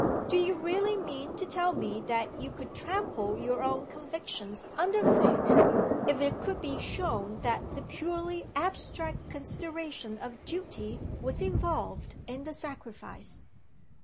Do you really mean to tell me that you could trample your own convictions under foot, if it could be shown that the purely abstract consideration of duty was involved in the sacrifice?"